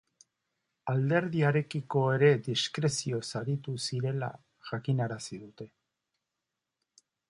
Alderdiarekiko ere diskrezioz aritu zirela jakinarazi dute.